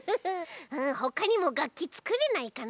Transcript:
ほかにもがっきつくれないかな？